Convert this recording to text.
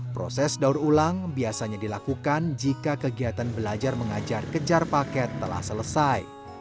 proses daur ulang biasanya dilakukan jika kegiatan belajar mengajar kejar paket telah selesai